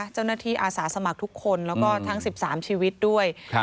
อาสาสมัครทุกคนแล้วก็ทั้ง๑๓ชีวิตด้วย